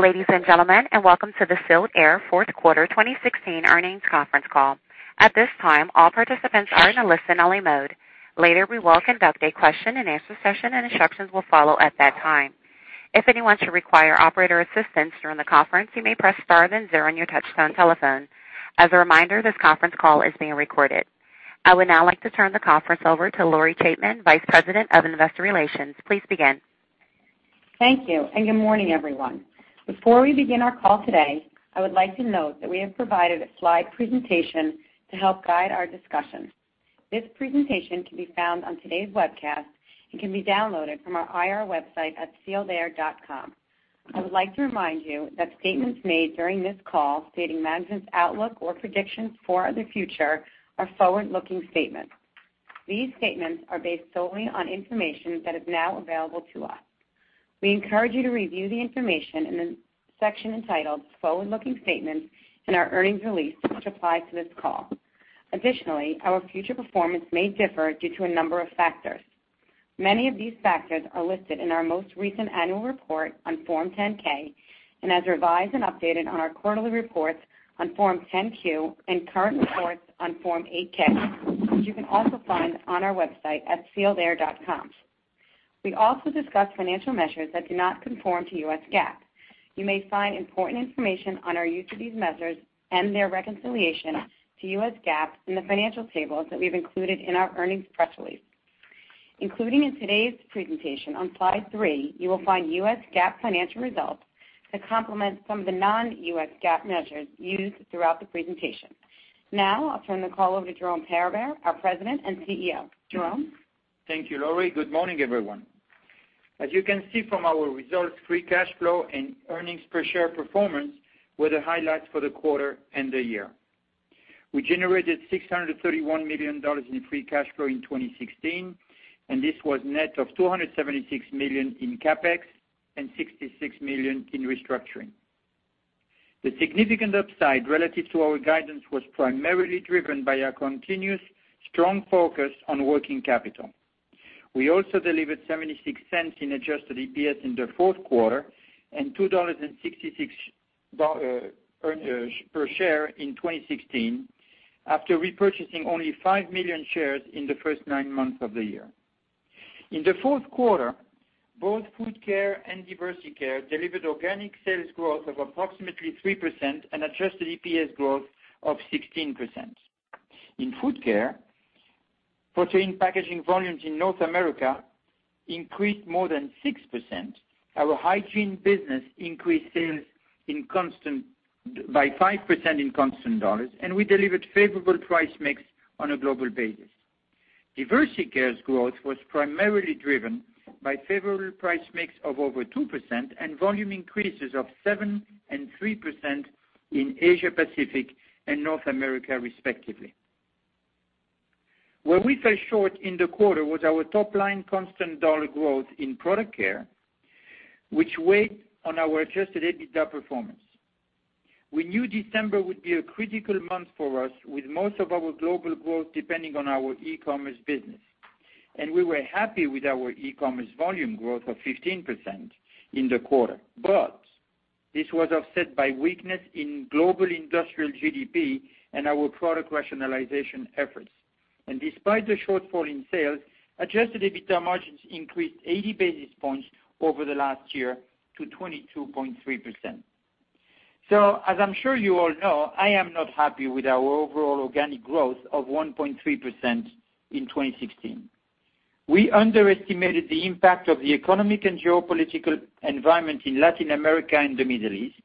Good day, ladies and gentlemen, and welcome to the Sealed Air Fourth Quarter 2016 Earnings Conference Call. At this time, all participants are in a listen-only mode. Later, we will conduct a question-and-answer session, and instructions will follow at that time. If anyone should require operator assistance during the conference, you may press star then zero on your touchtone telephone. As a reminder, this conference call is being recorded. I would now like to turn the conference over to Lori Chaitman, Vice President of Investor Relations. Please begin. Thank you. Good morning, everyone. Before we begin our call today, I would like to note that we have provided a slide presentation to help guide our discussion. This presentation can be found on today's webcast and can be downloaded from our IR website at sealedair.com. I would like to remind you that statements made during this call stating management's outlook or predictions for the future are forward-looking statements. These statements are based solely on information that is now available to us. We encourage you to review the information in the section entitled Forward-Looking Statements in our earnings release, which apply to this call. Additionally, our future performance may differ due to a number of factors. Many of these factors are listed in our most recent annual report on Form 10-K and as revised and updated on our quarterly reports on Form 10-Q and current reports on Form 8-K, which you can also find on our website at sealedair.com. We also discuss financial measures that do not conform to U.S. GAAP. You may find important information on our use of these measures and their reconciliation to U.S. GAAP in the financial tables that we've included in our earnings press release. Including in today's presentation on Slide 3, you will find U.S. GAAP financial results that complement some of the non-U.S. GAAP measures used throughout the presentation. I'll turn the call over to Jerome Peribere, our President and CEO. Jerome? Thank you, Lori. Good morning, everyone. As you can see from our results, free cash flow and earnings per share performance were the highlights for the quarter and the year. We generated $631 million in free cash flow in 2016, and this was net of $276 million in CapEx and $66 million in restructuring. The significant upside relative to our guidance was primarily driven by our continuous strong focus on working capital. We also delivered $0.76 in adjusted EPS in the fourth quarter and $2.66 per share in 2016 after repurchasing only 5 million shares in the first nine months of the year. In the fourth quarter, both Food Care and Diversey Care delivered organic sales growth of approximately 3% and adjusted EPS growth of 16%. In Food Care, protein packaging volumes in North America increased more than 6%. Our hygiene business increased sales by 5% in constant dollars. We delivered favorable price mix on a global basis. Diversey Care's growth was primarily driven by favorable price mix of over 2% and volume increases of 7% and 3% in Asia Pacific and North America, respectively. Where we fell short in the quarter was our top-line constant dollar growth in Product Care, which weighed on our adjusted EBITDA performance. We knew December would be a critical month for us, with most of our global growth depending on our e-commerce business. We were happy with our e-commerce volume growth of 15% in the quarter. This was offset by weakness in global industrial GDP and our product rationalization efforts. Despite the shortfall in sales, adjusted EBITDA margins increased 80 basis points over the last year to 22.3%. As I'm sure you all know, I am not happy with our overall organic growth of 1.3% in 2016. We underestimated the impact of the economic and geopolitical environment in Latin America and the Middle East,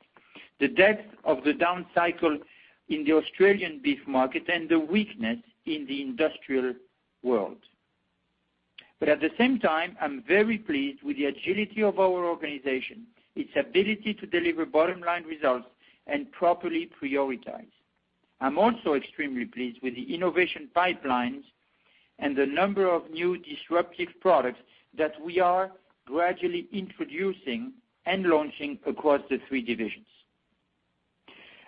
the depth of the down cycle in the Australian beef market, and the weakness in the industrial world. At the same time, I'm very pleased with the agility of our organization, its ability to deliver bottom-line results, and properly prioritize. I'm also extremely pleased with the innovation pipelines and the number of new disruptive products that we are gradually introducing and launching across the three divisions.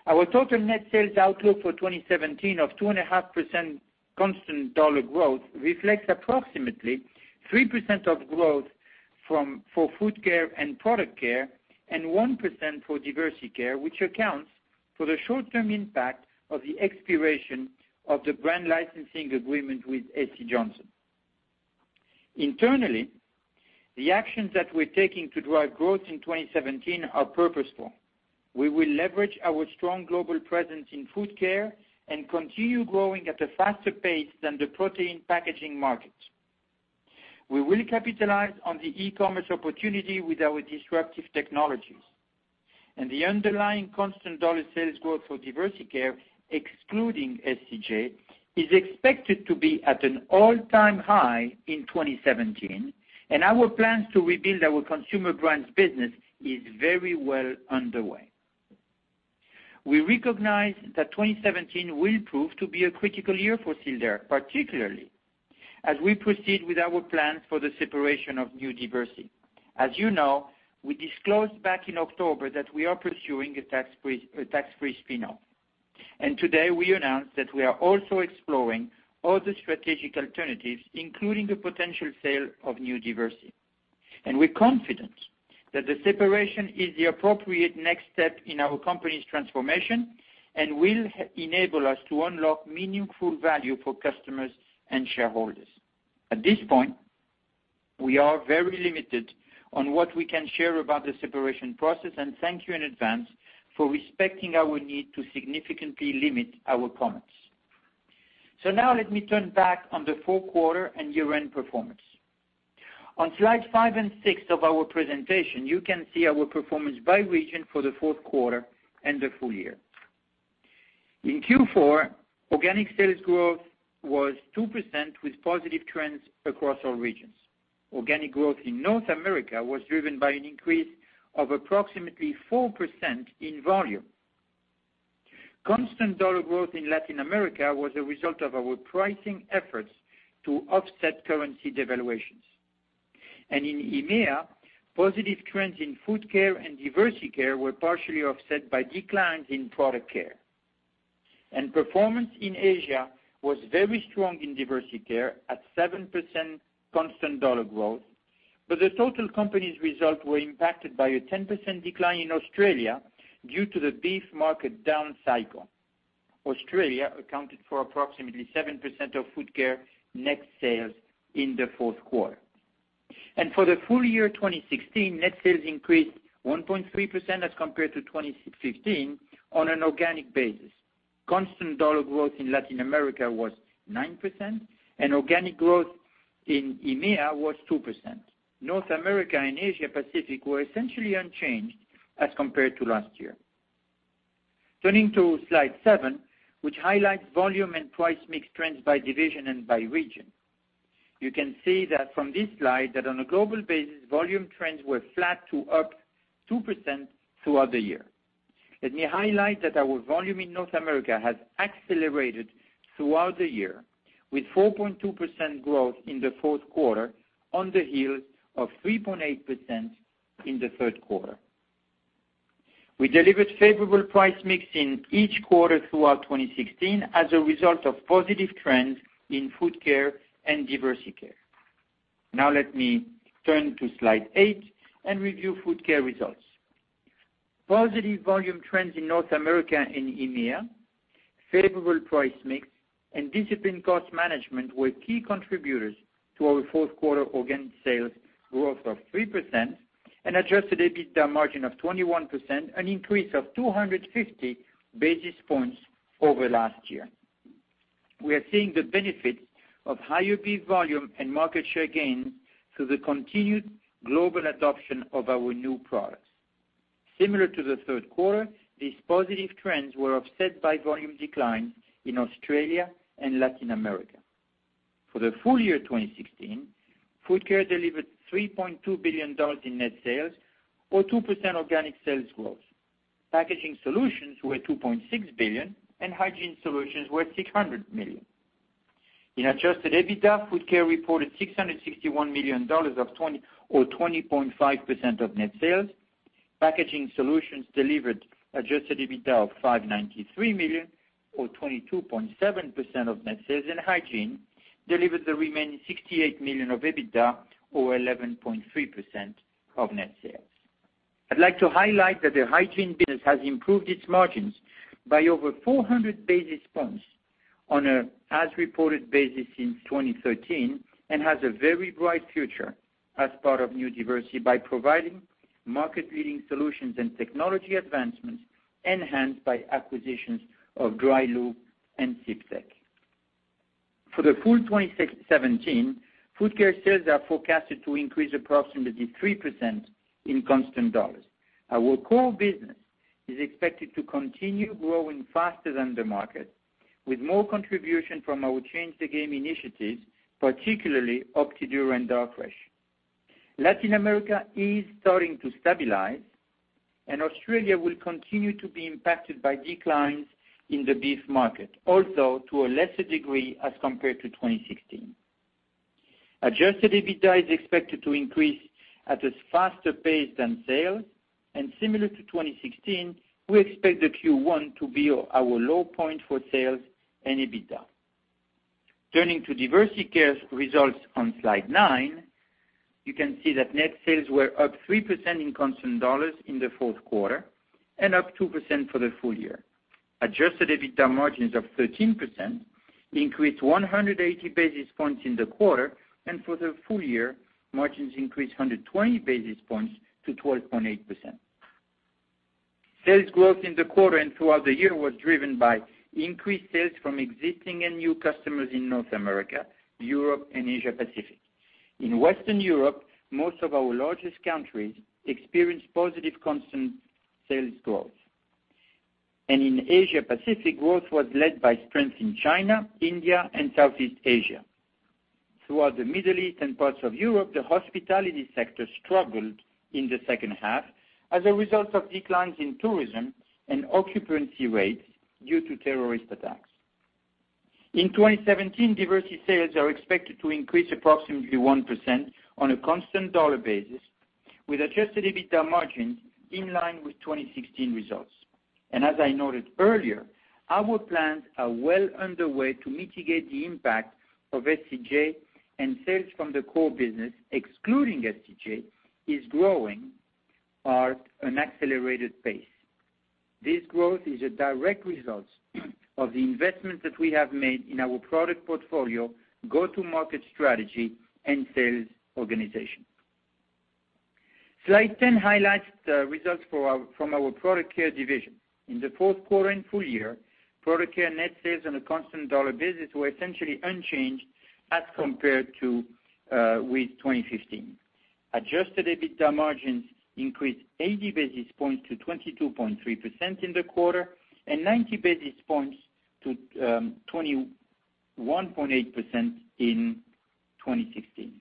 Our total net sales outlook for 2017 of 2.5% constant dollar growth reflects approximately 3% of growth for Food Care and Product Care and 1% for Diversey Care, which accounts for the short-term impact of the expiration of the brand licensing agreement with SC Johnson. Internally, the actions that we're taking to drive growth in 2017 are purposeful. We will leverage our strong global presence in Food Care and continue growing at a faster pace than the protein packaging market. We will capitalize on the e-commerce opportunity with our disruptive technologies, and the underlying constant dollar sales growth for Diversey Care, excluding SCJ, is expected to be at an all-time high in 2017, and our plans to rebuild our consumer brands business is very well underway. We recognize that 2017 will prove to be a critical year for Sealed Air, particularly as we proceed with our plans for the separation of New Diversey. As you know, we disclosed back in October that we are pursuing a tax-free spin-off. Today, we announce that we are also exploring other strategic alternatives, including the potential sale of New Diversey. We're confident that the separation is the appropriate next step in our company's transformation, and will enable us to unlock meaningful value for customers and shareholders. At this point, we are very limited on what we can share about the separation process, and thank you in advance for respecting our need to significantly limit our comments. Now let me turn back on the full quarter and year-end performance. On slide five and six of our presentation, you can see our performance by region for the fourth quarter and the full year. In Q4, organic sales growth was 2% with positive trends across all regions. Organic growth in North America was driven by an increase of approximately 4% in volume. Constant dollar growth in Latin America was a result of our pricing efforts to offset currency devaluations. In EMEA, positive trends in Food Care and Diversey Care were partially offset by declines in Product Care. Performance in Asia was very strong in Diversey Care at 7% constant dollar growth. The total company's results were impacted by a 10% decline in Australia due to the beef market down cycle. Australia accounted for approximately 7% of Food Care net sales in the fourth quarter. For the full year 2016, net sales increased 1.3% as compared to 2015, on an organic basis. Constant dollar growth in Latin America was 9%, and organic growth in EMEA was 2%. North America and Asia Pacific were essentially unchanged as compared to last year. Turning to slide seven, which highlights volume and price mix trends by division and by region. You can see that from this slide, that on a global basis, volume trends were flat to up 2% throughout the year. Let me highlight that our volume in North America has accelerated throughout the year, with 4.2% growth in the fourth quarter on the heel of 3.8% in the third quarter. We delivered favorable price mix in each quarter throughout 2016 as a result of positive trends in Food Care and Diversey Care. Let me turn to slide eight and review Food Care results. Positive volume trends in North America and EMEA, favorable price mix, and disciplined cost management were key contributors to our fourth quarter organic sales growth of 3%, and adjusted EBITDA margin of 21%, an increase of 250 basis points over last year. We are seeing the benefit of higher beef volume and market share gains through the continued global adoption of our new products. Similar to the third quarter, these positive trends were offset by volume declines in Australia and Latin America. For the full year 2016, Food Care delivered $3.2 billion in net sales or 2% organic sales growth. Packaging solutions were $2.6 billion, and hygiene solutions were $600 million. In adjusted EBITDA, Food Care reported $661 million or 20.5% of net sales. Packaging solutions delivered adjusted EBITDA of $593 million or 22.7% of net sales. Hygiene delivered the remaining $68 million of EBITDA or 11.3% of net sales. I'd like to highlight that the hygiene business has improved its margins by over 400 basis points on an as-reported basis since 2013, and has a very bright future as part of New Diversey by providing market-leading solutions and technology advancements enhanced by acquisitions of Dry Lube and TTS-Ciptec. For the full 2017, Food Care sales are forecasted to increase approximately 3% in constant dollars. Our core business is expected to continue growing faster than the market, with more contribution from our Change the Game initiatives, particularly Cryovac OptiDure and Darfresh. Latin America is starting to stabilize, and Australia will continue to be impacted by declines in the beef market, although to a lesser degree as compared to 2016. Adjusted EBITDA is expected to increase at a faster pace than sales. Similar to 2016, we expect the Q1 to be our low point for sales and EBITDA. Turning to Diversey Care's results on slide nine, you can see that net sales were up 3% in constant dollars in the fourth quarter and up 2% for the full year. Adjusted EBITDA margins of 13% increased 180 basis points in the quarter, and for the full year, margins increased 120 basis points to 12.8%. Sales growth in the quarter and throughout the year was driven by increased sales from existing and new customers in North America, Europe, and Asia Pacific. In Western Europe, most of our largest countries experienced positive constant sales growth. In Asia Pacific, growth was led by strength in China, India, and Southeast Asia. Throughout the Middle East and parts of Europe, the hospitality sector struggled in the second half as a result of declines in tourism and occupancy rates due to terrorist attacks. In 2017, Diversey sales are expected to increase approximately 1% on a constant dollar basis, with adjusted EBITDA margins in line with 2016 results. As I noted earlier, our plans are well underway to mitigate the impact of SCJ, and sales from the core business, excluding SCJ, is growing at an accelerated pace. This growth is a direct result of the investments that we have made in our product portfolio, go-to-market strategy, and sales organization. Slide 10 highlights the results from our Product Care division. In the fourth quarter and full year, Product Care net sales on a constant dollar basis were essentially unchanged as compared with 2015. Adjusted EBITDA margins increased 80 basis points to 22.3% in the quarter, and 90 basis points to 21.8% in 2016.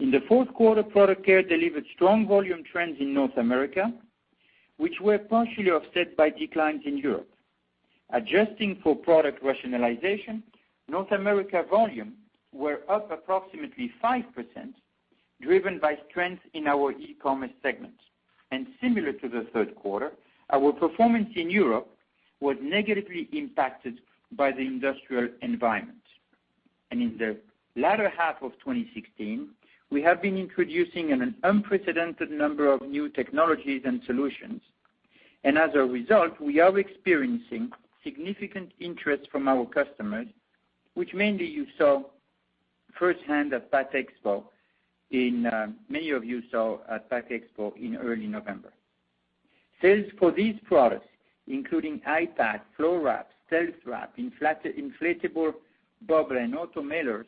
In the fourth quarter, Product Care delivered strong volume trends in North America, which were partially offset by declines in Europe. Adjusting for product rationalization, North America volume were up approximately 5%, driven by strength in our e-commerce segment. Similar to the third quarter, our performance in Europe was negatively impacted by the industrial environment. In the latter half of 2016, we have been introducing an unprecedented number of new technologies and solutions. As a result, we are experiencing significant interest from our customers, many of you saw at PACK EXPO in early November. Sales for these products, including I-Pack, FloWrap, StealthWrap, BUBBLE WRAP brand Inflatable Cushioning, and Automated Mailers,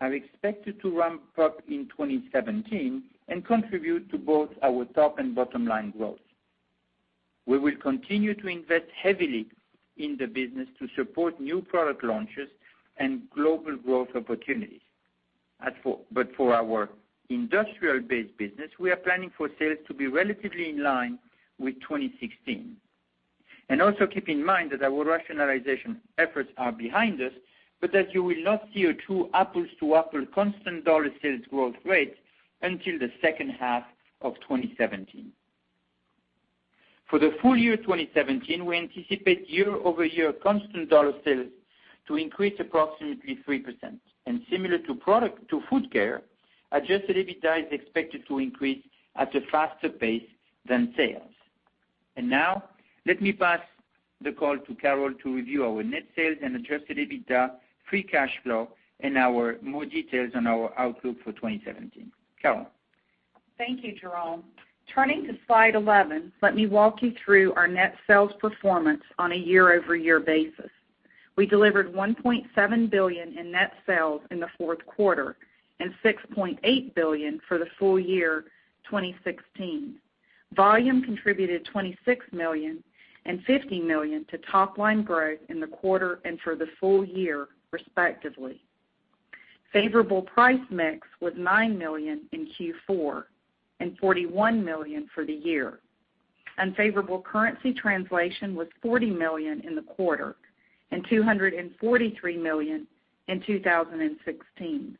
are expected to ramp up in 2017 and contribute to both our top and bottom-line growth. We will continue to invest heavily in the business to support new product launches and global growth opportunities. For our industrial-based business, we are planning for sales to be relatively in line with 2016. Also keep in mind that our rationalization efforts are behind us, but that you will not see a true apples-to-apples constant dollar sales growth rate until the second half of 2017. For the full year 2017, we anticipate year-over-year constant dollar sales to increase approximately 3%. Similar to Food Care, adjusted EBITDA is expected to increase at a faster pace than sales. Now, let me pass the call to Carol to review our net sales and adjusted EBITDA, free cash flow, and more details on our outlook for 2017. Carol? Thank you, Jerome. Turning to Slide 11, let me walk you through our net sales performance on a year-over-year basis. We delivered $1.7 billion in net sales in the fourth quarter and $6.8 billion for the full year 2016. Volume contributed $26 million and $15 million to top-line growth in the quarter and for the full year, respectively. Favorable price mix was $9 million in Q4 and $41 million for the year. Unfavorable currency translation was $40 million in the quarter and $243 million in 2016.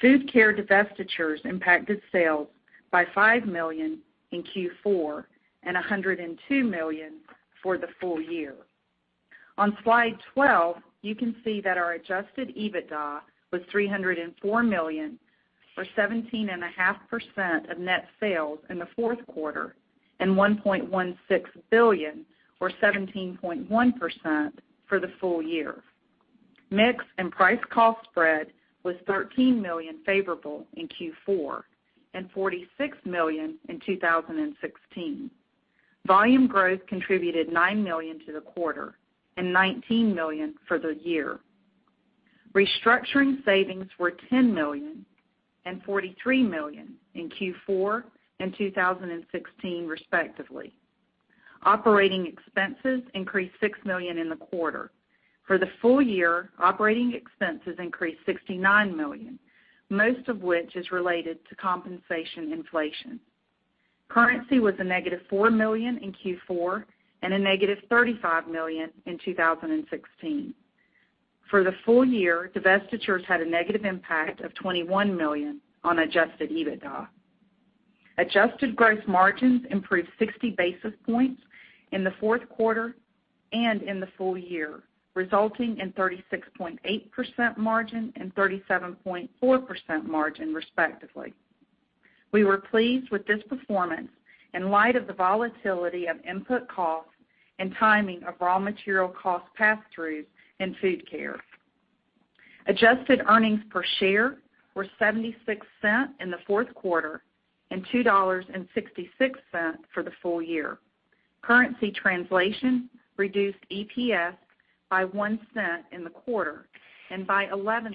Food Care divestitures impacted sales by $5 million in Q4 and $102 million for the full year. On Slide 12, you can see that our adjusted EBITDA was $304 million, or 17.5% of net sales in the fourth quarter, and $1.16 billion or 17.1% for the full year. Mix and price-cost spread was $13 million favorable in Q4 and $46 million in 2016. Volume growth contributed $9 million to the quarter and $19 million for the year. Restructuring savings were $10 million and $43 million in Q4 and 2016, respectively. Operating expenses increased $6 million in the quarter. For the full year, operating expenses increased $69 million, most of which is related to compensation inflation. Currency was a negative $4 million in Q4 and a negative $35 million in 2016. For the full year, divestitures had a negative impact of $21 million on adjusted EBITDA. Adjusted gross margins improved 60 basis points in the fourth quarter and in the full year, resulting in 36.8% margin and 37.4% margin, respectively. We were pleased with this performance in light of the volatility of input costs and timing of raw material cost pass-throughs in Food Care. Adjusted earnings per share were $0.76 in the fourth quarter and $2.66 for the full year. Currency translation reduced EPS by $0.01 in the quarter and by $0.11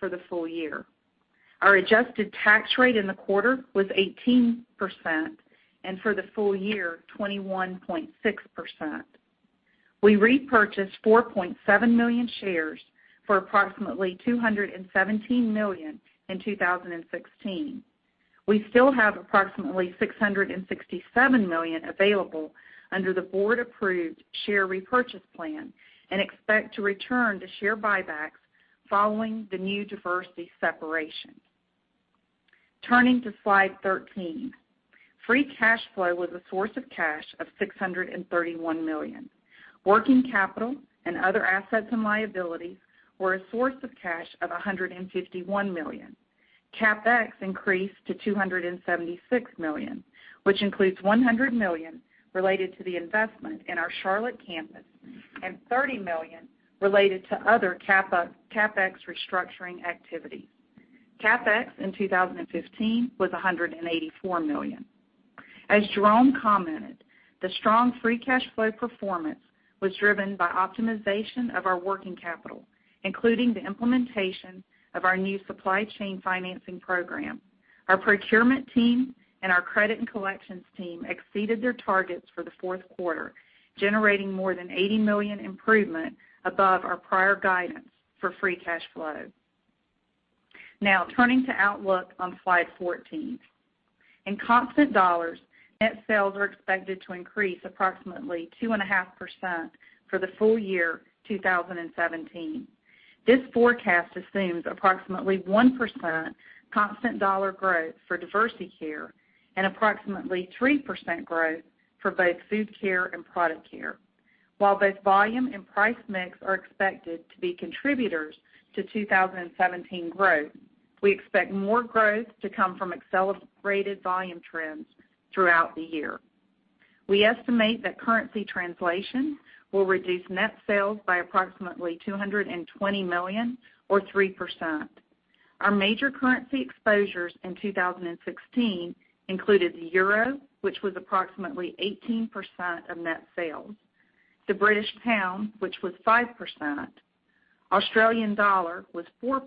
for the full year. Our adjusted tax rate in the quarter was 18%, and for the full year, 21.6%. We repurchased 4.7 million shares for approximately $217 million in 2016. We still have approximately $667 million available under the board-approved share repurchase plan and expect to return to share buybacks following the New Diversey separation. Turning to Slide 13. Free cash flow was a source of cash of $631 million. Working capital and other assets and liabilities were a source of cash of $151 million. CapEx increased to $276 million, which includes $100 million related to the investment in our Charlotte campus and $30 million related to other CapEx restructuring activity. CapEx in 2015 was $184 million. As Jerome commented, the strong free cash flow performance was driven by optimization of our working capital, including the implementation of our new supply chain financing program. Our procurement team and our credit and collections team exceeded their targets for the fourth quarter, generating more than $80 million improvement above our prior guidance for free cash flow. Turning to outlook on Slide 14. In constant dollars, net sales are expected to increase approximately 2.5% for the full year 2017. This forecast assumes approximately 1% constant dollar growth for Diversey Care and approximately 3% growth for both Food Care and Product Care. While both volume and price mix are expected to be contributors to 2017 growth, we expect more growth to come from accelerated volume trends throughout the year. We estimate that currency translation will reduce net sales by approximately $220 million or 3%. Our major currency exposures in 2016 included the euro, which was approximately 18% of net sales, the British pound, which was 5%, Australian dollar was 4%,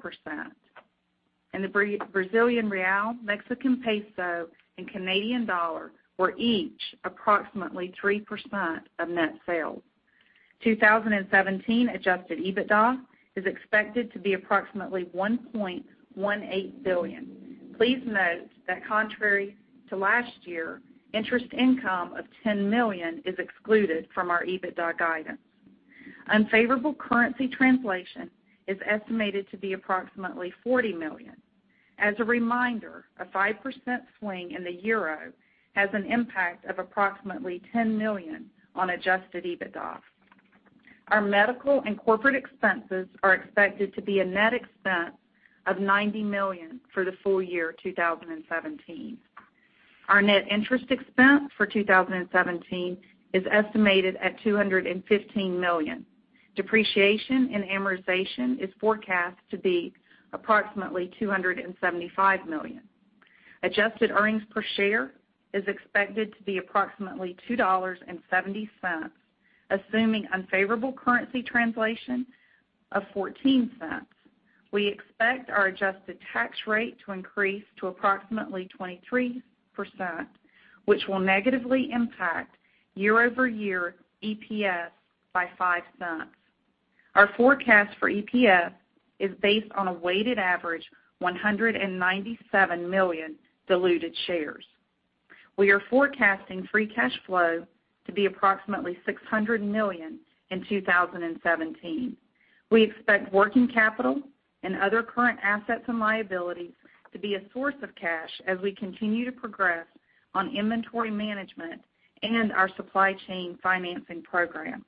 and the Brazilian real, Mexican peso, and Canadian dollar were each approximately 3% of net sales. 2017 adjusted EBITDA is expected to be approximately $1.18 billion. Please note that contrary to last year, interest income of $10 million is excluded from our EBITDA guidance. Unfavorable currency translation is estimated to be approximately $40 million. As a reminder, a 5% swing in the euro has an impact of approximately $10 million on adjusted EBITDA. Our medical and corporate expenses are expected to be a net expense of $90 million for the full year 2017. Our net interest expense for 2017 is estimated at $215 million. Depreciation and amortization is forecast to be approximately $275 million. Adjusted earnings per share is expected to be approximately $2.70, assuming unfavorable currency translation of $0.14. We expect our adjusted tax rate to increase to approximately 23%, which will negatively impact year-over-year EPS by $0.05. Our forecast for EPS is based on a weighted average 197 million diluted shares. We are forecasting free cash flow to be approximately $600 million in 2017. We expect working capital and other current assets and liabilities to be a source of cash as we continue to progress on inventory management and our supply chain financing program.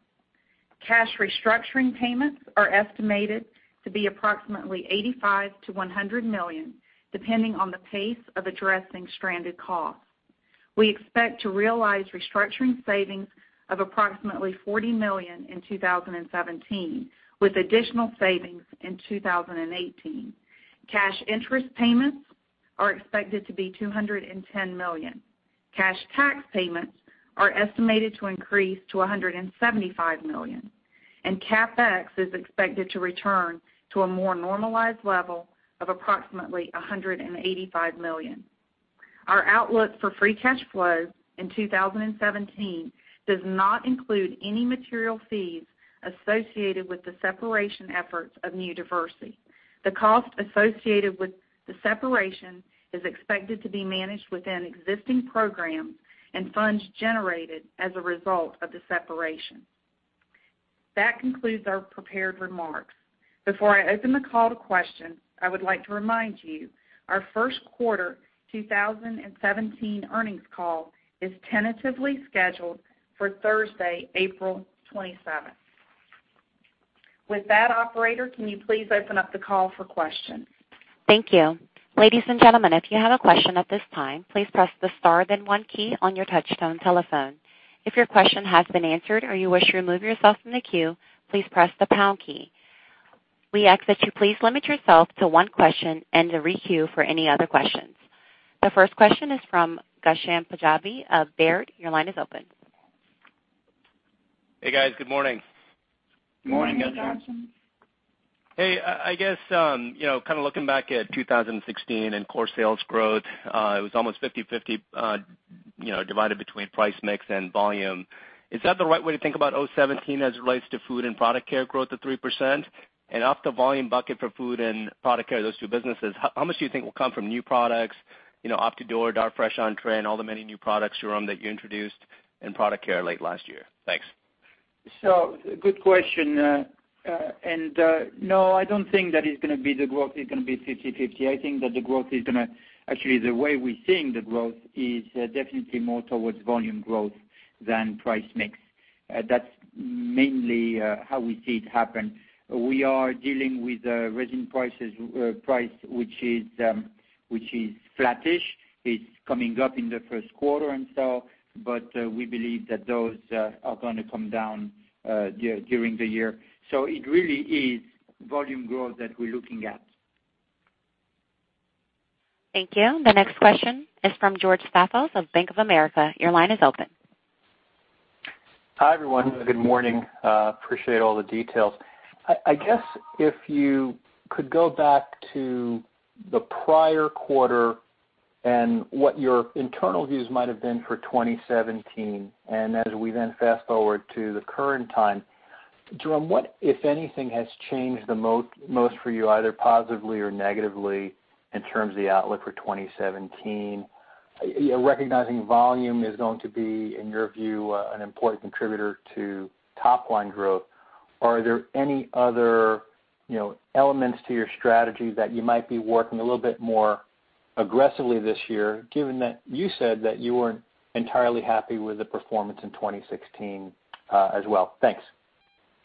Cash restructuring payments are estimated to be approximately $85 million-$100 million, depending on the pace of addressing stranded costs. We expect to realize restructuring savings of approximately $40 million in 2017, with additional savings in 2018. Cash interest payments are expected to be $210 million. Cash tax payments are estimated to increase to $175 million. CapEx is expected to return to a more normalized level of approximately $185 million. Our outlook for free cash flow in 2017 does not include any material fees associated with the separation efforts of New Diversey. The cost associated with the separation is expected to be managed within existing programs and funds generated as a result of the separation. That concludes our prepared remarks. Before I open the call to questions, I would like to remind you, our first quarter 2017 earnings call is tentatively scheduled for Thursday, April 27th. With that, operator, can you please open up the call for questions? Thank you. Ladies and gentlemen, if you have a question at this time, please press the star then one key on your touch-tone telephone. If your question has been answered or you wish to remove yourself from the queue, please press the pound key. We ask that you please limit yourself to one question and to re-queue for any other questions. The first question is from Ghansham Panjabi of Baird. Your line is open. Hey, guys. Good morning. Good morning, Ghansham. Good morning, Ghansham. Hey, I guess, kind of looking back at 2016 and core sales growth, it was almost 50/50 Divided between price mix and volume. Is that the right way to think about 2017 as it relates to Food Care and Product Care growth of 3%? Of the volume bucket for Food Care and Product Care, those two businesses, how much do you think will come from new products, Cryovac OptiDure, Darfresh, Entrée, and all the many new products, Jerome, that you introduced in Product Care late last year? Thanks. Good question. No, I don't think that it's going to be the growth is going to be 50/50. Actually, the way we're seeing the growth is definitely more towards volume growth than price mix. That's mainly how we see it happen. We are dealing with a resin price, which is flattish. It's coming up in the first quarter, but we believe that those are going to come down during the year. It really is volume growth that we're looking at. Thank you. The next question is from George Staphos of Bank of America. Your line is open. Hi, everyone. Good morning. Appreciate all the details. I guess if you could go back to the prior quarter and what your internal views might have been for 2017. As we then fast-forward to the current time, Jerome, what, if anything, has changed the most for you, either positively or negatively, in terms of the outlook for 2017? Recognizing volume is going to be, in your view, an important contributor to top-line growth, are there any other elements to your strategy that you might be working a little bit more aggressively this year, given that you said that you weren't entirely happy with the performance in 2016 as well? Thanks.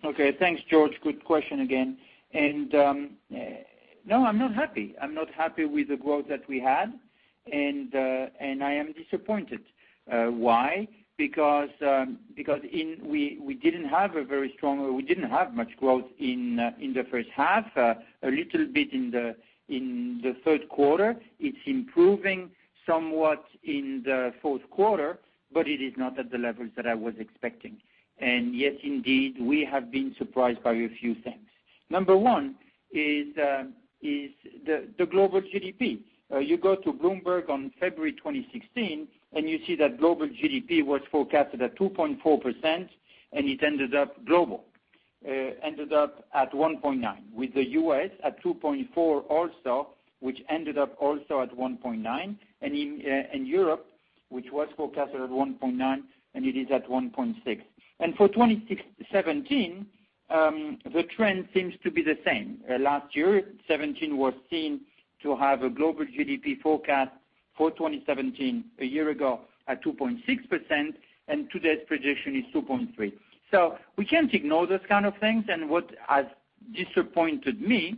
Okay. Thanks, George. Good question again. No, I'm not happy. I'm not happy with the growth that we had, and I am disappointed. Why? Because we didn't have much growth in the first half, a little bit in the third quarter. It's improving somewhat in the fourth quarter, but it is not at the levels that I was expecting. Yes, indeed, we have been surprised by a few things. Number one is the global GDP. You go to Bloomberg on February 2016, and you see that global GDP was forecasted at 2.4%, and it ended up global, ended up at 1.9, with the U.S. at 2.4 also, which ended up also at 1.9. In Europe, which was forecasted at 1.9, and it is at 1.6. For 2017, the trend seems to be the same. Last year, 2017 was seen to have a global GDP forecast for 2017, a year ago, at 2.6%, and today's projection is 2.3%. We can't ignore those kind of things, and what has disappointed me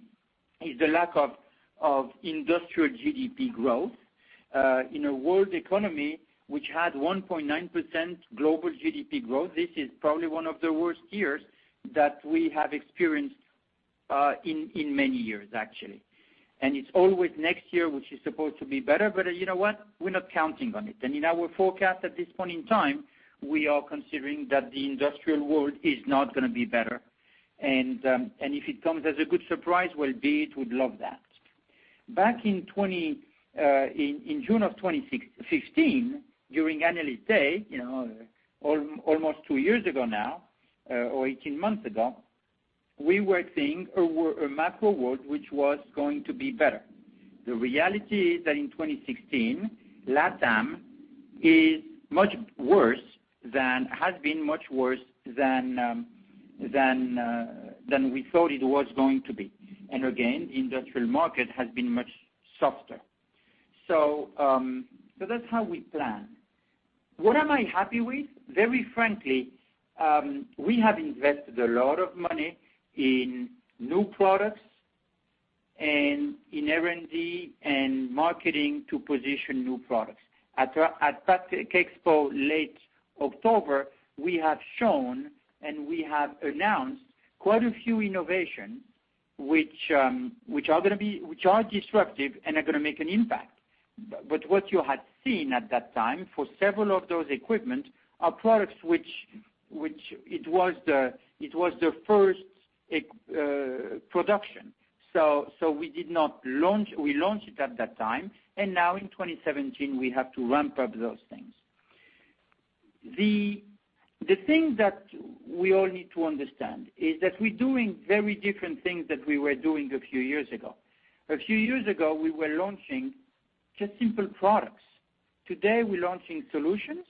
is the lack of industrial GDP growth. In a world economy which had 1.9% global GDP growth, this is probably one of the worst years that we have experienced in many years, actually. It's always next year, which is supposed to be better, but you know what. We're not counting on it. In our forecast at this point in time, we are considering that the industrial world is not going to be better. If it comes as a good surprise, well, be it, we'd love that. Back in June of 2015, during Analyst Day, almost two years ago now, or 18 months ago, we were seeing a macro world which was going to be better. The reality is that in 2016, LATAM has been much worse than we thought it was going to be. Again, industrial market has been much softer. That's how we plan. What am I happy with? Very frankly, we have invested a lot of money in new products and in R&D and marketing to position new products. At PACK EXPO, late October, we have shown and we have announced quite a few innovation which are disruptive and are going to make an impact. What you had seen at that time for several of those equipment are products which it was the first production. We launched it at that time, and now in 2017, we have to ramp up those things. The thing that we all need to understand is that we're doing very different things that we were doing a few years ago. A few years ago, we were launching just simple products. Today, we're launching solutions,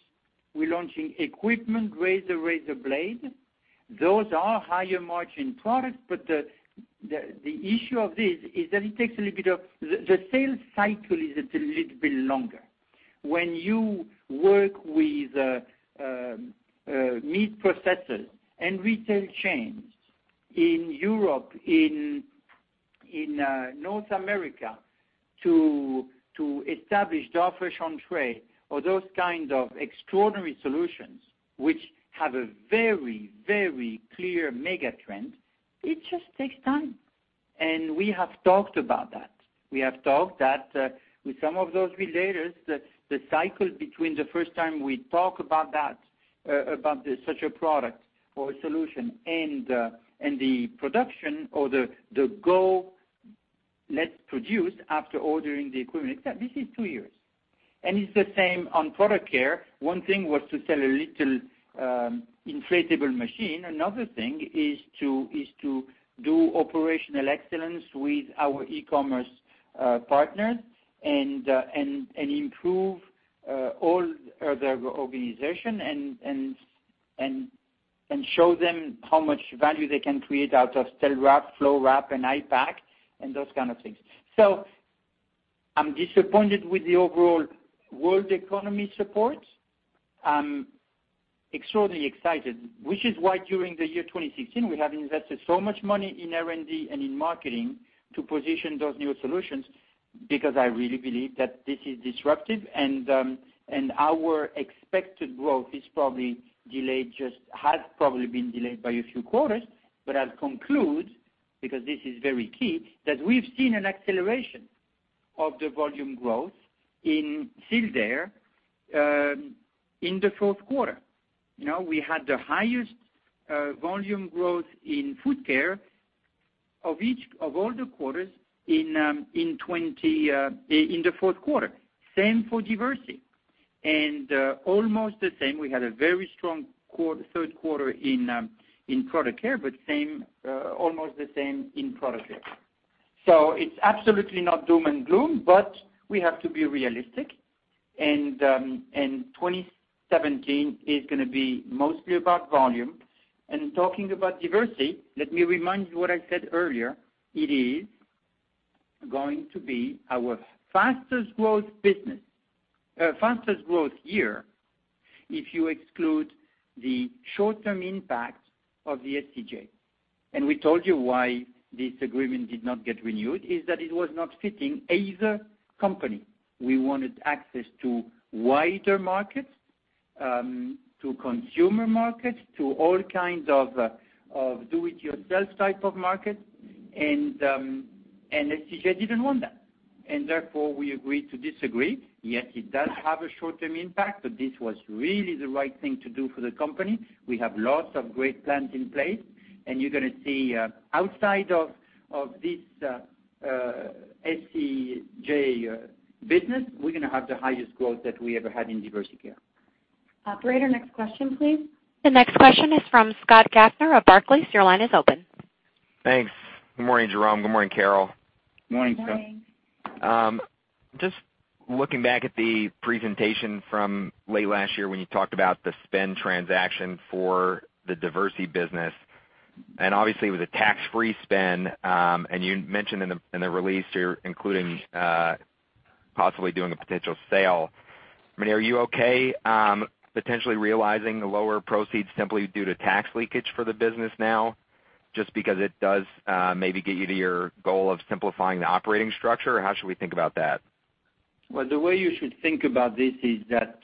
we're launching equipment, razor blades. Those are higher margin products, but the issue of this is that the sales cycle is a little bit longer. When you work with meat processors and retail chains in Europe, in North America, to establish Darfresh Entrée or those kinds of extraordinary solutions, which have a very, very clear mega trend, it just takes time. We have talked about that. We have talked that with some of those retailers, the cycle between the first time we talk about such a product or a solution and the production or, let's produce after ordering the equipment. This is two years. It's the same on Product Care. One thing was to sell a little inflatable machine. Another thing is to do operational excellence with our e-commerce partners and improve all the organization and show them how much value they can create out of Cell-Aire, FloWrap, and I-Pack and those kind of things. I'm disappointed with the overall world economy support. I'm extraordinarily excited, which is why during the year 2016, we have invested so much money in R&D and in marketing to position those new solutions, because I really believe that this is disruptive and our expected growth has probably been delayed by a few quarters. I'll conclude, because this is very key, that we've seen an acceleration of the volume growth in Sealed Air in the fourth quarter. We had the highest volume growth in Food Care of all the quarters in the fourth quarter. Same for Diversey. Almost the same, we had a very strong third quarter in Product Care, but almost the same in Product Care. It's absolutely not doom and gloom, but we have to be realistic, and 2017 is going to be mostly about volume. Talking about Diversey, let me remind you what I said earlier. It is going to be our fastest growth year if you exclude the short-term impact of the SCJ. We told you why this agreement did not get renewed, is that it was not fitting either company. We wanted access to wider markets, to consumer markets, to all kinds of do-it-yourself type of market, SCJ didn't want that. Therefore, we agreed to disagree. Yes, it does have a short-term impact, but this was really the right thing to do for the company. We have lots of great plans in place, you're going to see outside of this SCJ business, we're going to have the highest growth that we ever had in Diversey Care. Operator, next question, please. The next question is from Scott Kassner of Barclays. Your line is open. Thanks. Good morning, Jerome. Good morning, Carol. Morning, Scott. Morning. Just looking back at the presentation from late last year when you talked about the spin transaction for the Diversey business, obviously it was a tax-free spin. You mentioned in the release you're including possibly doing a potential sale. Are you okay potentially realizing the lower proceeds simply due to tax leakage for the business now, just because it does maybe get you to your goal of simplifying the operating structure? How should we think about that? Well, the way you should think about this is that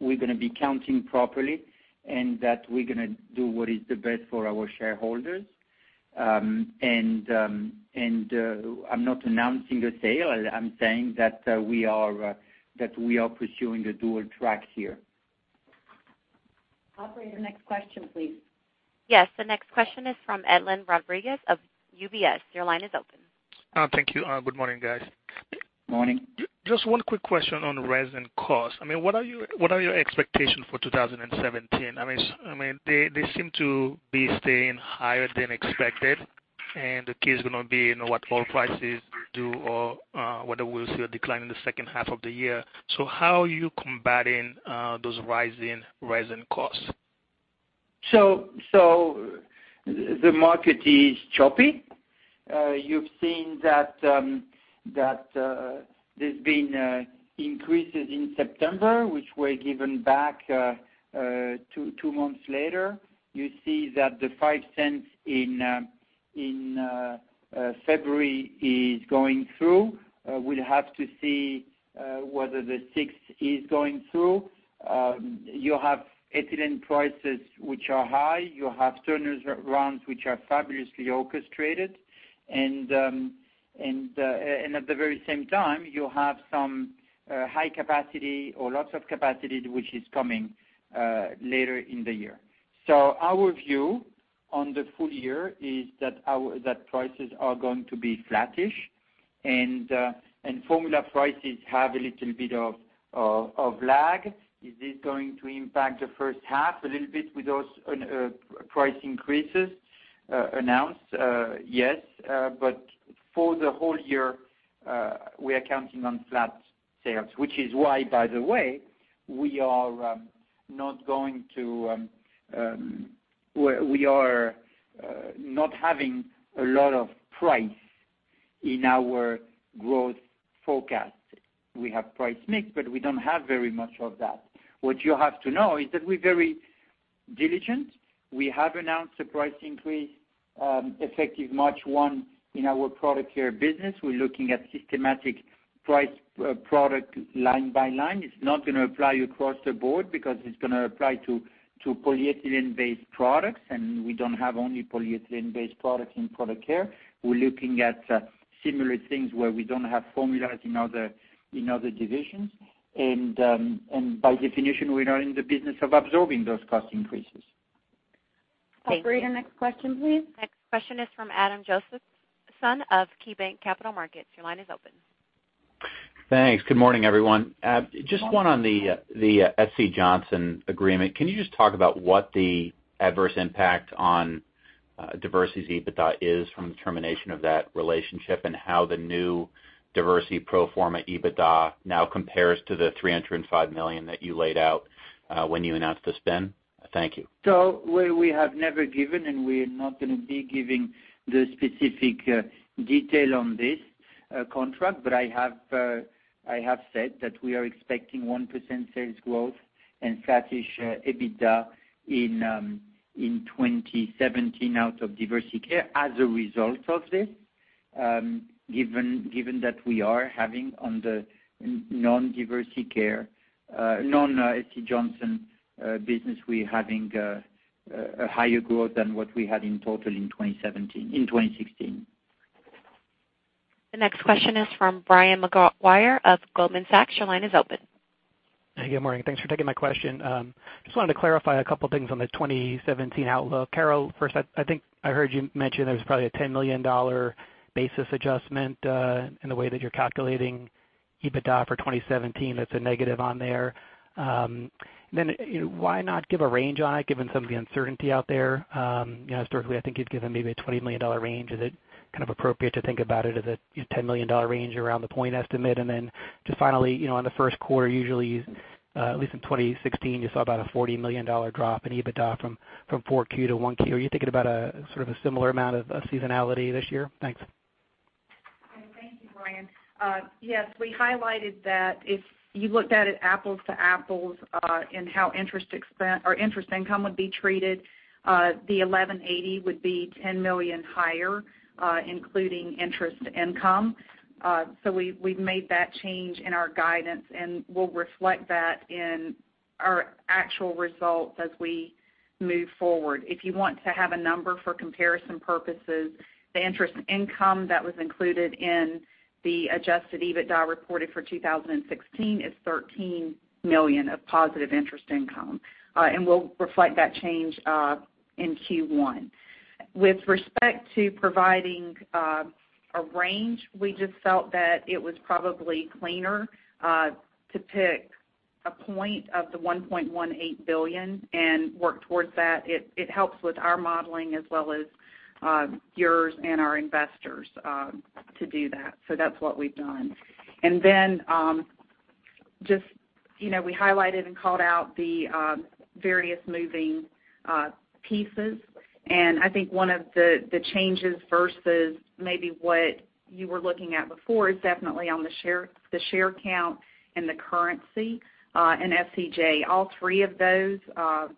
we're going to be counting properly and that we're going to do what is the best for our shareholders. I'm not announcing a sale. I'm saying that we are pursuing a dual track here. Operator, next question, please. Yes, the next question is from Edlain Rodriguez of UBS. Your line is open. Thank you. Good morning, guys. Morning. Just one quick question on resin cost. What are your expectations for 2017? They seem to be staying higher than expected, and the case is going to be what oil prices do or whether we'll see a decline in the second half of the year. How are you combating those rising resin costs? The market is choppy. You've seen that there's been increases in September, which were given back two months later. You see that the $0.05 in February is going through. We'll have to see whether the $0.06 is going through. You have ethylene prices which are high. You have turnaround which are fabulously orchestrated. At the very same time, you have some high capacity or lots of capacity which is coming later in the year. Our view on the full year is that prices are going to be flattish and formula prices have a little bit of lag. Is this going to impact the first half a little bit with those price increases announced? Yes. For the whole year, we are counting on flat sales, which is why, by the way, we are not having a lot of price in our growth forecast. We have price mix, but we don't have very much of that. What you have to know is that we're very diligent. We have announced a price increase effective March 1 in our Product Care business. We're looking at systematic price product line by line. It's not going to apply across the board because it's going to apply to polyethylene-based products, and we don't have only polyethylene-based products in Product Care. We're looking at similar things where we don't have formulas in other divisions. By definition, we're not in the business of absorbing those cost increases. Operator, next question, please. Next question is from Adam Josephson of KeyBanc Capital Markets. Your line is open. Thanks. Good morning, everyone. Just one on the SC Johnson agreement. Can you just talk about what the adverse impact on Diversey's EBITDA is from the termination of that relationship, and how the New Diversey pro forma EBITDA now compares to the $305 million that you laid out when you announced the spin? Thank you. Well, we have never given, and we're not going to be giving the specific detail on this contract. I have said that we are expecting 1% sales growth and flat-ish EBITDA in 2017 out of Diversey Care as a result of this, given that we are having on the non-Diversey Care non-SC Johnson business, we're having a higher growth than what we had in total in 2016. The next question is from Brian Maguire of Goldman Sachs. Your line is open. Good morning. Thanks for taking my question. Just wanted to clarify a couple things on the 2017 outlook. Carol, first, I think I heard you mention there was probably a $10 million basis adjustment, in the way that you're calculating EBITDA for 2017, that's a negative on there. Why not give a range on it, given some of the uncertainty out there? Historically, I think you'd given maybe a $20 million range. Is it kind of appropriate to think about it as a $10 million range around the point estimate? Just finally, on the first quarter, usually, at least in 2016, you saw about a $40 million drop in EBITDA from 4Q to 1Q. Are you thinking about a sort of a similar amount of seasonality this year? Thanks. Thank you, Brian. We highlighted that if you looked at it apples to apples, in how interest income would be treated, the $1,180 would be $10 million higher, including interest income. We've made that change in our guidance, and we'll reflect that in our actual results as we move forward. If you want to have a number for comparison purposes, the interest income that was included in the adjusted EBITDA reported for 2016 is $13 million of positive interest income, and we'll reflect that change in Q1. With respect to providing a range, we just felt that it was probably cleaner to pick a point of the $1.18 billion and work towards that. It helps with our modeling as well as yours and our investors to do that. That's what we've done. Then, we highlighted and called out the various moving pieces, and I think one of the changes versus maybe what you were looking at before is definitely on the share count and the currency in SCJ. All three of those are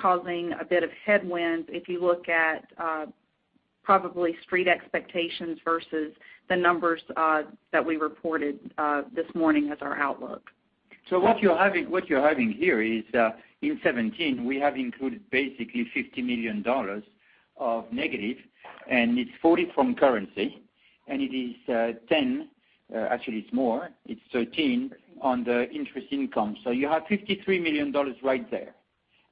causing a bit of headwind if you look at probably street expectations versus the numbers that we reported this morning as our outlook. What you're having here is, in 2017, we have included basically $50 million of negative, and it's $40 from currency, and it is actually it's more, it's $13 on the interest income. You have $53 million right there.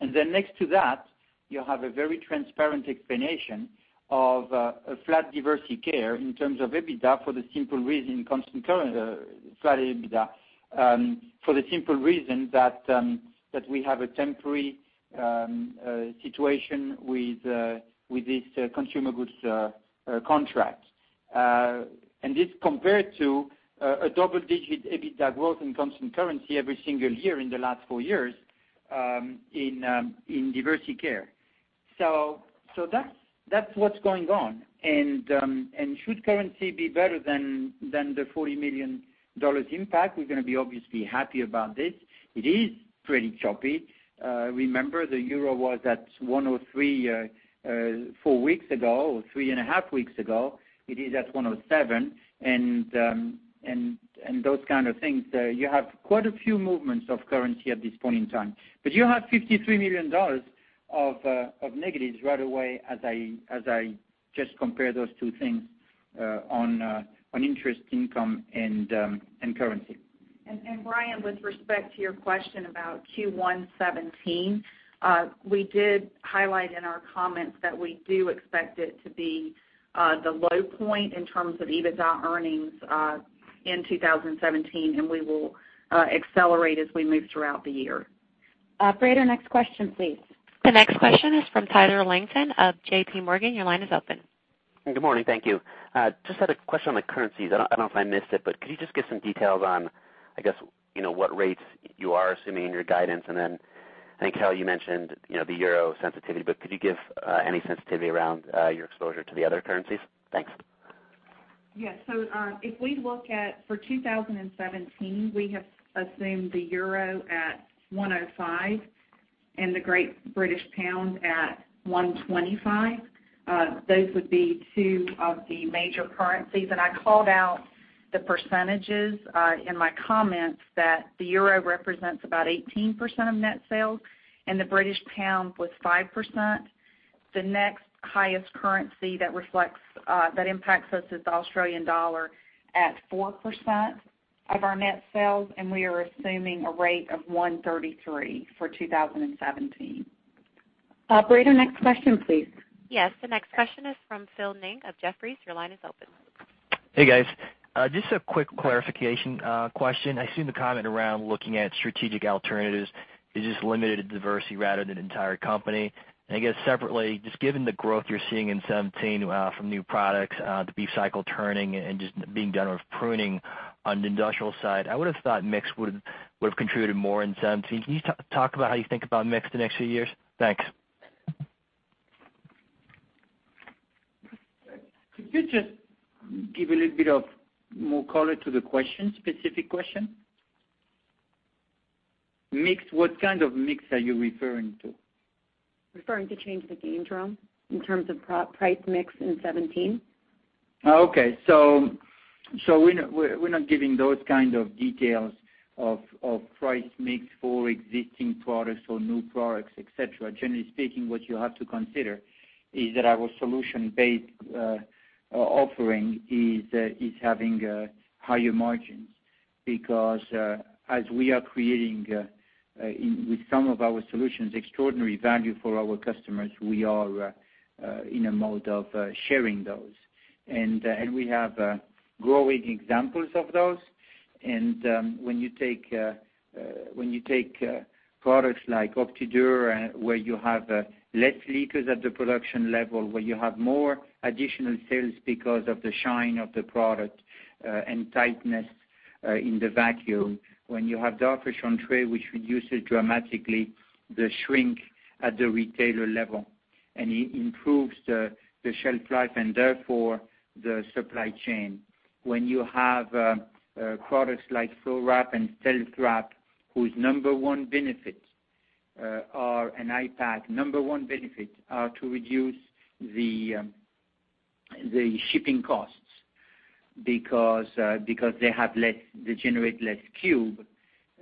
Next to that, you have a very transparent explanation of a flat Diversey Care in terms of EBITDA for the simple reason flat EBITDA, for the simple reason that we have a temporary situation with this consumer goods contract. This compared to a double-digit EBITDA growth in constant currency every single year in the last four years in Diversey Care. That's what's going on. Should currency be better than the $40 million impact, we're going to be obviously happy about this. It is pretty choppy. Remember, the euro was at 103 four weeks ago, or three and a half weeks ago. It is at 107, those kind of things. You have quite a few movements of currency at this point in time. You have $53 million of negatives right away as I just compare those two things on interest income and currency. Brian, with respect to your question about Q1 2017, we did highlight in our comments that we do expect it to be the low point in terms of EBITDA earnings in 2017, and we will accelerate as we move throughout the year. Operator, next question, please. The next question is from Tyler Langton of J.P. Morgan. Your line is open. Good morning. Thank you. Just had a question on the currencies. I don't know if I missed it, but could you just give some details on, I guess, what rates you are assuming in your guidance? I think, Carol, you mentioned the euro sensitivity, but could you give any sensitivity around your exposure to the other currencies? Thanks. If we look at for 2017, we have assumed the euro at 105 and the great British pound at 125. Those would be two of the major currencies. I called out the percentages in my comments that the euro represents about 18% of net sales and the British pound was 5%. The next highest currency that impacts us is the Australian dollar at 4% of our net sales, and we are assuming a rate of 133 for 2017. Operator, next question, please. Yes, the next question is from Phil Ning of Jefferies. Your line is open. Hey, guys. Just a quick clarification question. I seen the comment around looking at strategic alternatives is just limited to Diversey rather than entire company. I guess separately, just given the growth you're seeing in 2017 from new products, the beef cycle turning and just being done with pruning on the industrial side, I would've thought mix would've contributed more in 2017. Can you talk about how you think about mix the next few years? Thanks. Could you just give a little bit of more color to the question, specific question? Mix, what kind of mix are you referring to? Referring to Change the Game drum in terms of price mix in 2017. Okay. We're not giving those kind of details of price mix for existing products or new products, et cetera. Generally speaking, what you have to consider is that our solution-based offering is having higher margins because, as we are creating, with some of our solutions, extraordinary value for our customers, we are in a mode of sharing those. We have growing examples of those, and when you take products like OptiDure, where you have less leakers at the production level, where you have more additional sales because of the shine of the product, and tightness in the vacuum. When you have Darfresh, which reduces dramatically the shrink at the retailer level, and it improves the shelf life and therefore the supply chain. When you have products like FloWrap and StealthWrap, whose number one benefit are, and I-Pack, number one benefit are to reduce the shipping costs because they generate less cube.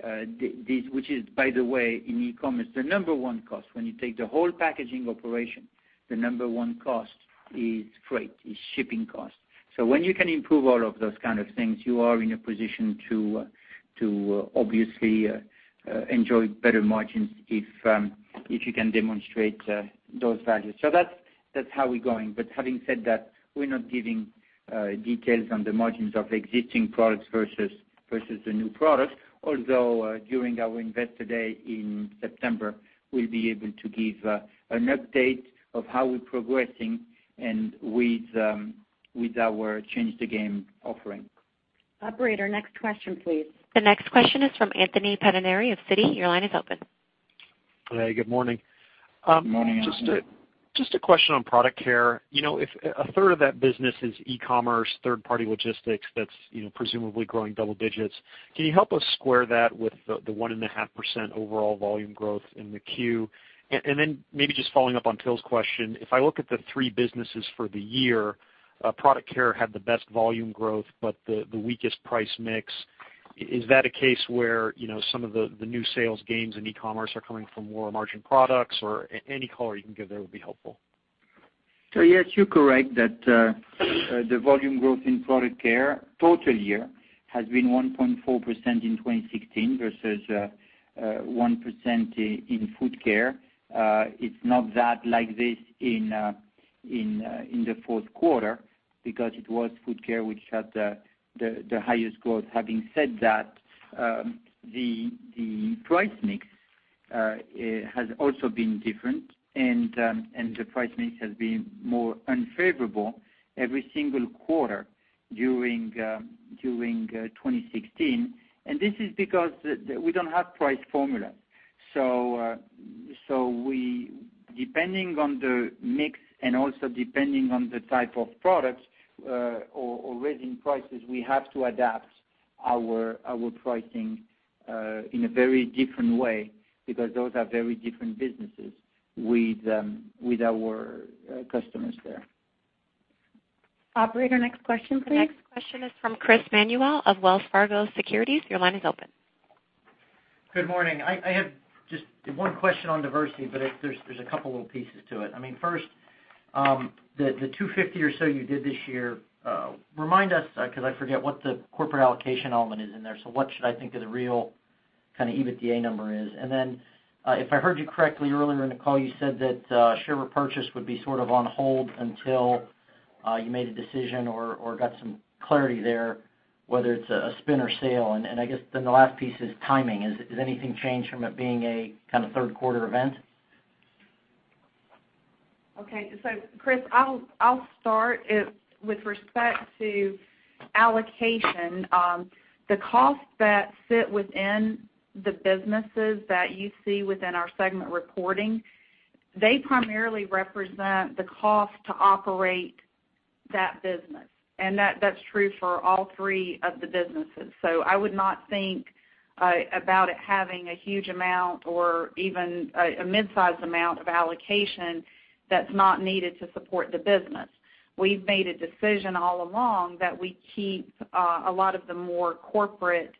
Which is, by the way, in e-commerce, the number one cost. When you take the whole packaging operation, the number one cost is freight, is shipping cost. When you can improve all of those kind of things, you are in a position to obviously enjoy better margins if you can demonstrate those values. That's how we're going. Having said that, we're not giving details on the margins of existing products versus the new products. Although, during our investor day in September, we'll be able to give an update of how we're progressing and with our Change the Game offering. Operator, next question please. The next question is from Anthony Pettinari of Citi. Your line is open. Hey, good morning. Morning, Anthony. Just a question on Product Care. If a third of that business is e-commerce, third-party logistics, that's presumably growing double digits, can you help us square that with the 1.5% overall volume growth in the Q? Maybe just following up on Phil's question, if I look at the three businesses for the year, Product Care had the best volume growth, but the weakest price mix. Is that a case where some of the new sales gains in e-commerce are coming from more margin products or any color you can give there would be helpful. Yes, you're correct that the volume growth in Product Care total year has been 1.4% in 2016 versus 1% in Food Care. It's not that like this in the fourth quarter because it was Food Care which had the highest growth. Having said that, the price mix has also been different, and the price mix has been more unfavorable every single quarter during 2016. This is because we don't have price formula. Depending on the mix and also depending on the type of products or raising prices, we have to adapt our pricing in a very different way because those are very different businesses with our customers there. Operator, next question please. The next question is from Christopher Manuel of Wells Fargo Securities. Your line is open. Good morning. I have just one question on Diversey, but there's a couple little pieces to it. First, the $250 or so you did this year, remind us, because I forget, what the corporate allocation element is in there. What should I think of the real kind of EBITDA number is? Then, if I heard you correctly earlier in the call, you said that share repurchase would be sort of on hold until you made a decision or got some clarity there, whether it's a spin or sale. I guess then the last piece is timing. Has anything changed from it being a kind of third quarter event? Chris, I'll start. With respect to allocation, the costs that sit within the businesses that you see within our segment reporting, they primarily represent the cost to operate that business, and that's true for all three of the businesses. I would not think about it having a huge amount or even a mid-size amount of allocation that's not needed to support the business. We've made a decision all along that we keep a lot of the more corporate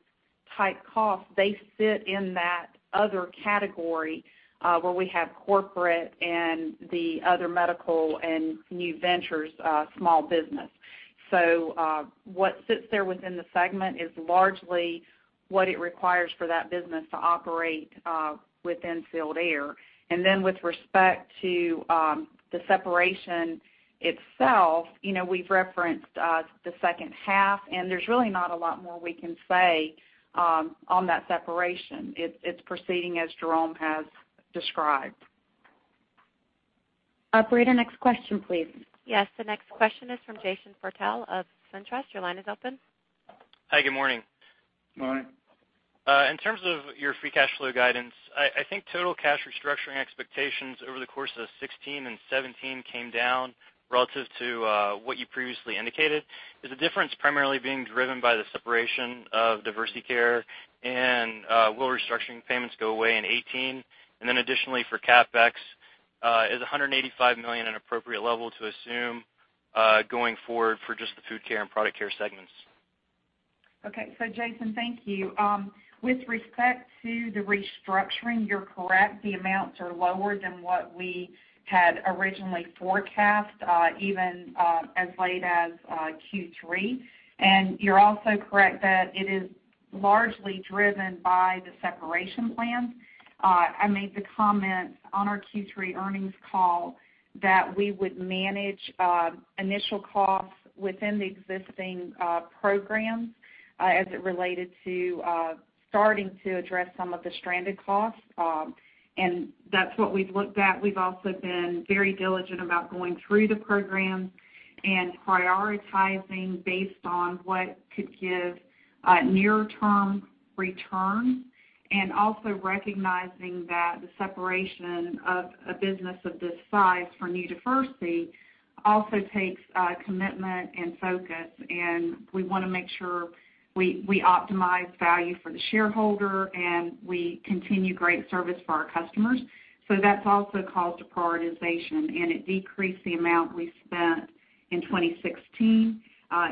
type costs, they sit in that other category where we have corporate and the other medical and new ventures small business. What sits there within the segment is largely what it requires for that business to operate within Sealed Air. With respect to the separation itself, we've referenced the second half, and there's really not a lot more we can say on that separation. It's proceeding as Jerome has described. Operator, next question, please. Yes, the next question is from Jason Freuchtel of SunTrust. Your line is open. Hi, good morning. Good morning. In terms of your free cash flow guidance, I think total cash restructuring expectations over the course of 2016 and 2017 came down relative to what you previously indicated. Is the difference primarily being driven by the separation of Diversey Care, and will restructuring payments go away in 2018? Additionally for CapEx, is $185 million an appropriate level to assume going forward for just the Food Care and Product Care segments? Okay. Jason, thank you. With respect to the restructuring, you're correct. The amounts are lower than what we had originally forecast, even as late as Q3. You're also correct that it is largely driven by the separation plan. I made the comment on our Q3 earnings call that we would manage initial costs within the existing programs, as it related to starting to address some of the stranded costs. That's what we've looked at. We've also been very diligent about going through the programs and prioritizing based on what could give near-term return, also recognizing that the separation of a business of this size for New Diversey also takes commitment and focus, we want to make sure we optimize value for the shareholder, we continue great service for our customers. That's also caused a prioritization, and it decreased the amount we spent in 2016.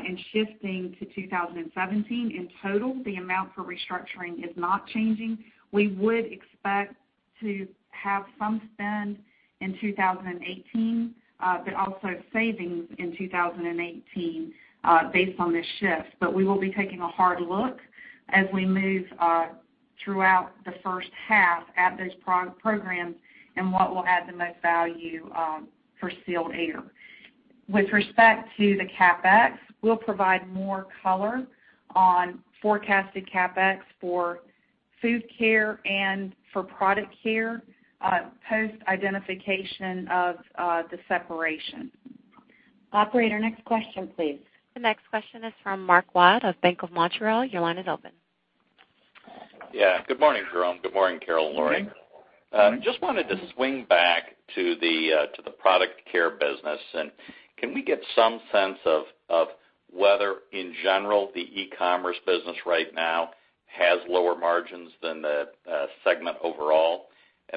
In shifting to 2017, in total, the amount for restructuring is not changing. We would expect to have some spend in 2018, but also savings in 2018, based on this shift. We will be taking a hard look as we move throughout the first half at those programs and what will add the most value for Sealed Air. With respect to the CapEx, we'll provide more color on forecasted CapEx for Food Care and for Product Care, post identification of the separation. Operator, next question, please. The next question is from Mark Wilde of Bank of Montreal. Your line is open. Yeah. Good morning, Jerome. Good morning, Carol and Lori. Just wanted to swing back to the Product Care business, and can we get some sense of whether, in general, the e-commerce business right now has lower margins than the segment overall?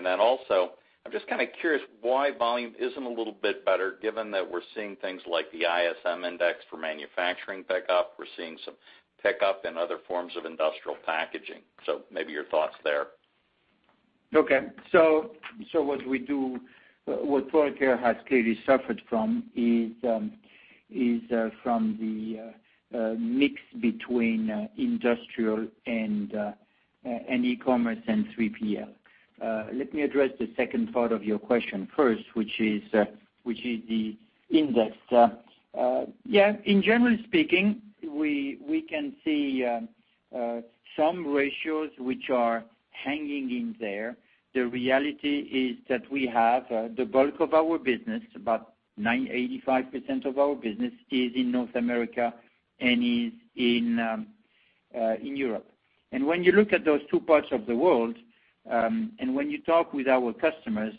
Also, I'm just kind of curious why volume isn't a little bit better, given that we're seeing things like the ISM Manufacturing Index for manufacturing pick up. We're seeing some pick up in other forms of industrial packaging. Maybe your thoughts there. What Product Care has clearly suffered from is from the mix between industrial and e-commerce and 3PL. Let me address the second part of your question first, which is the index. In generally speaking, we can see some ratios which are hanging in there. The reality is that we have the bulk of our business, about 85% of our business is in North America and is in Europe. When you look at those two parts of the world, when you talk with our customers,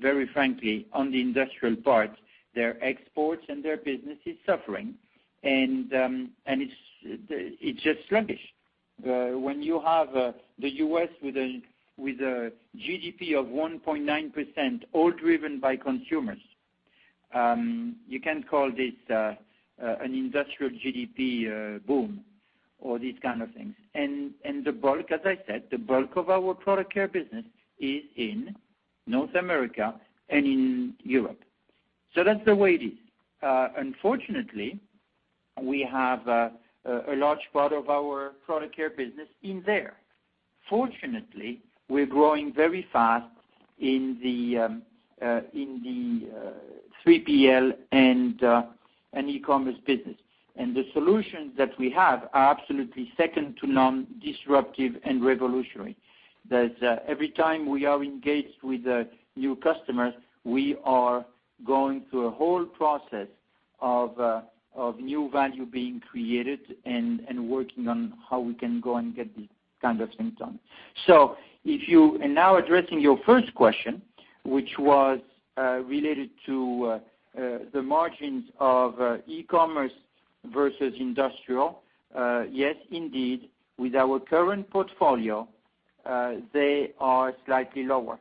very frankly, on the industrial part, their exports and their business is suffering. It's just sluggish. When you have the U.S. with a GDP of 1.9%, all driven by consumers, you can call this an industrial GDP boom or these kind of things. The bulk, as I said, the bulk of our Product Care business is in North America and in Europe. That's the way it is. Unfortunately, we have a large part of our Product Care business in there. Fortunately, we're growing very fast in the 3PL and e-commerce business. The solutions that we have are absolutely second to none, disruptive, and revolutionary. Every time we are engaged with new customers, we are going through a whole process of new value being created and working on how we can go and get these kind of symptoms. Now addressing your first question, which was related to the margins of e-commerce versus industrial. Yes, indeed, with our current portfolio, they are slightly lower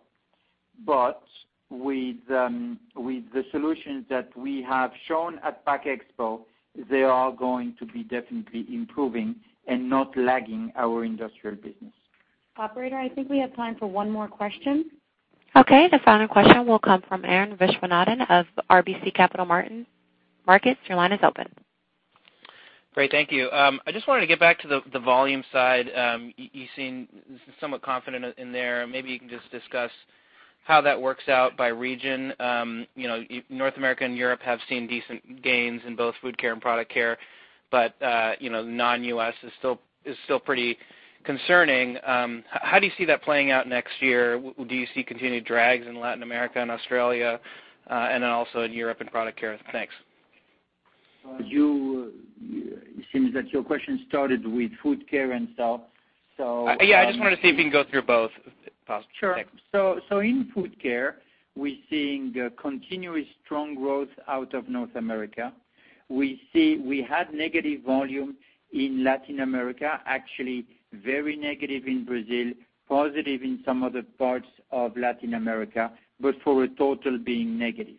with the solutions that we have shown at PACK EXPO, they are going to be definitely improving and not lagging our industrial business. Operator, I think we have time for one more question. The final question will come from Arun Viswanathan of RBC Capital Markets. Your line is open. Great. Thank you. I just wanted to get back to the volume side. You seem somewhat confident in there. Maybe you can just discuss how that works out by region. North America and Europe have seen decent gains in both Food Care and Product Care, but non-U.S. is still pretty concerning. How do you see that playing out next year? Do you see continued drags in Latin America and Australia, and then also in Europe in Product Care? Thanks. It seems that your question started with Food Care. Yeah. I just wanted to see if you can go through both parts. Sure. In Food Care, we're seeing continuous strong growth out of North America. We had negative volume in Latin America, actually very negative in Brazil, positive in some other parts of Latin America, but for a total being negative.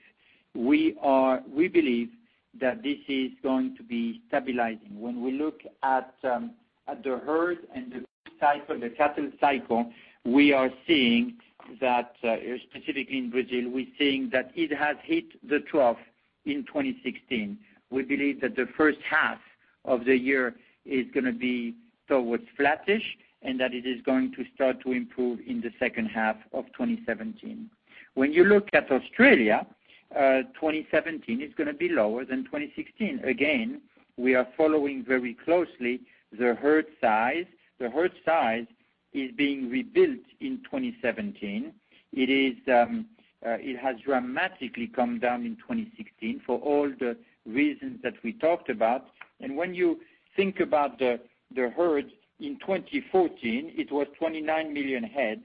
We believe that this is going to be stabilizing. When we look at the herd and the cycle, the cattle cycle, we are seeing that, specifically in Brazil, we're seeing that it has hit the trough in 2016. We believe that the first half of the year is going to be towards flattish, and that it is going to start to improve in the second half of 2017. When you look at Australia, 2017 is going to be lower than 2016. Again, we are following very closely the herd size. The herd size is being rebuilt in 2017. It has dramatically come down in 2016 for all the reasons that we talked about. When you think about the herd in 2014, it was 29 million head,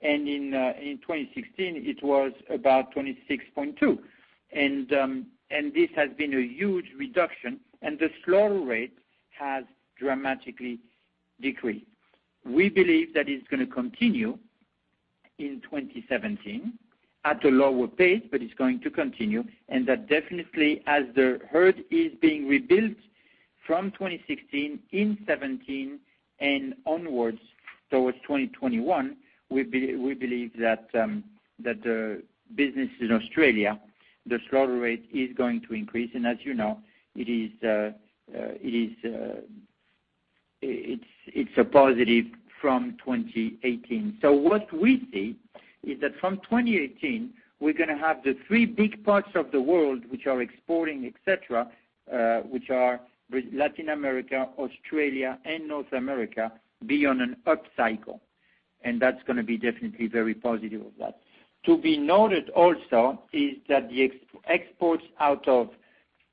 and in 2016, it was about 26.2. This has been a huge reduction, and the slaughter rate has dramatically decreased. We believe that it's going to continue in 2017 at a lower pace, but it's going to continue, and that definitely as the herd is being rebuilt from 2016, in 2017 and onwards towards 2021, we believe that the business in Australia, the slaughter rate is going to increase. As you know, it's a positive from 2018. What we see is that from 2018, we're going to have the three big parts of the world which are exporting, et cetera, which are Latin America, Australia, and North America, be on an up cycle. That's going to be definitely very positive of that. To be noted also is that the exports out of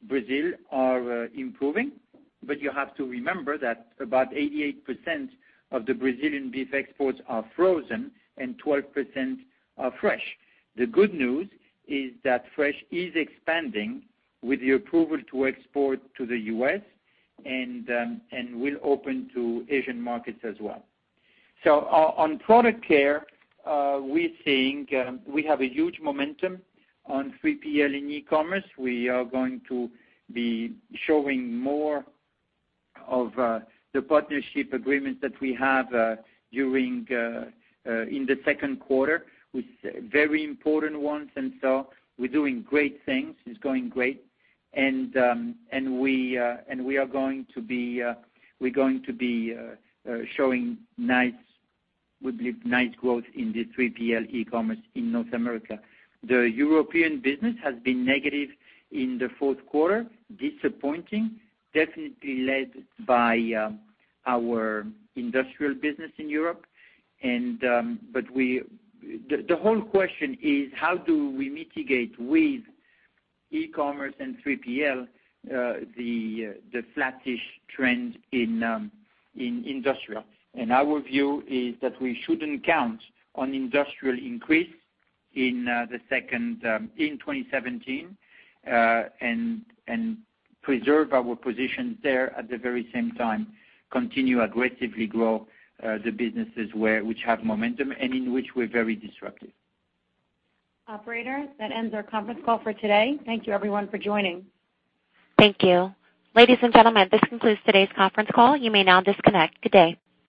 Brazil are improving, but you have to remember that about 88% of the Brazilian beef exports are frozen and 12% are fresh. The good news is that fresh is expanding with the approval to export to the U.S., and will open to Asian markets as well. On Product Care, we think we have a huge momentum on 3PL and e-commerce. We are going to be showing more of the partnership agreements that we have in the second quarter, with very important ones. We're doing great things. It's going great. We are going to be showing nice, we believe, nice growth in the 3PL e-commerce in North America. The European business has been negative in the fourth quarter, disappointing, definitely led by our industrial business in Europe. The whole question is how do we mitigate with e-commerce and 3PL the flattish trend in industrial? Our view is that we shouldn't count on industrial increase in 2017, and preserve our positions there, at the very same time, continue aggressively grow the businesses which have momentum and in which we're very disruptive. Operator, that ends our conference call for today. Thank you everyone for joining. Thank you. Ladies and gentlemen, this concludes today's conference call. You may now disconnect. Good day.